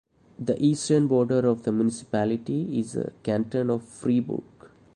The eastern border of the municipality is the Canton of Fribourg.